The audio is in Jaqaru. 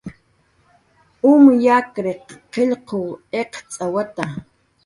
Um yakriq qillqw iqcx'awata.